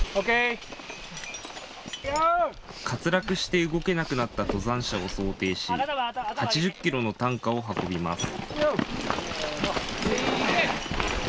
滑落して動けなくなった登山者を想定し８０キロの担架を運びます。